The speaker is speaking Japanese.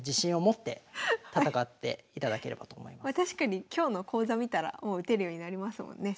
確かに今日の講座見たらもう打てるようになりますもんね。